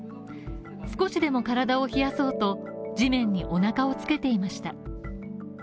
少しでも体を冷やそうと、地面におなかをつけていました。